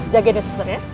jagain ya suster ya